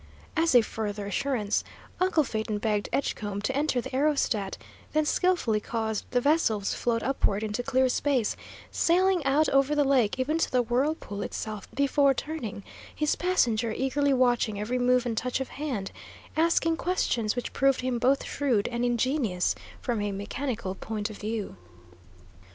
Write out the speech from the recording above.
As a further assurance, uncle Phaeton begged Edgecombe to enter the aerostat, then skilfully caused the vessel to float upward into clear space, sailing out over the lake even to the whirlpool itself before turning, his passenger eagerly watching every move and touch of hand, asking questions which proved him both shrewd and ingenious, from a mechanical point of view.